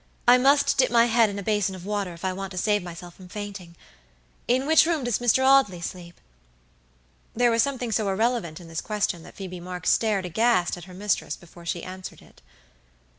I must dip my head in a basin of water if I want to save myself from fainting. In which room does Mr. Audley sleep?" There was something so irrelevant in this question that Phoebe Marks stared aghast at her mistress before she answered it.